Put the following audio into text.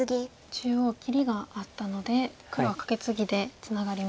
中央切りがあったので黒はカケツギでツナがりましたね。